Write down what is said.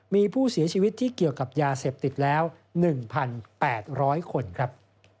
มีผู้เสียชีวิตที่เกี่ยวกับยาเสพติดแล้ว๑๘๐๐คนครับ